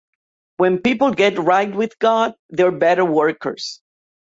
When people get right with God, they are better workers.